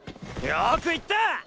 よく言った！